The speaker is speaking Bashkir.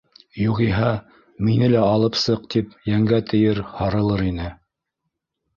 Юғиһә, мине лә алып сыҡ тип йәнгә тейер, һарылыр ине...